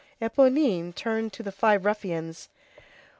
Éponine turned to the five ruffians.